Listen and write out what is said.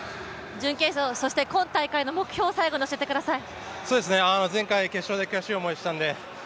準決勝、そして今大会の目標を最後に教えてください。